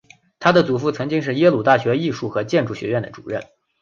她的祖父曾经是耶鲁大学的艺术和建筑学院的主任。